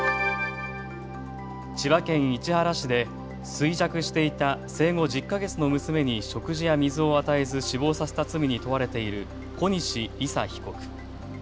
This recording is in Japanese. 千葉県市原市で衰弱していた生後１０か月の娘に食事や水を与えず死亡させた罪に問われている小西理紗被告。